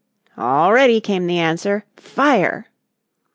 "All ready," came the answer. "Fire!"